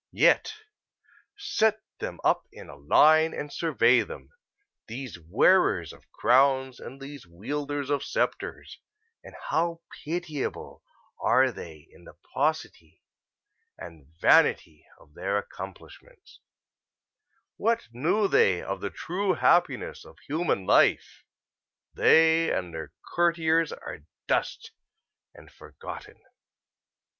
Yet set them up in a line and survey them these wearers of crowns and these wielders of scepters and how pitiable are they in the paucity and vanity of their accomplishments! What knew they of the true happiness of human life? They and their courtiers are dust and forgotten.